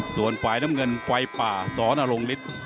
ส่วนฝ่ายน้ำเงินไฟป่าสนรงฤทธิ์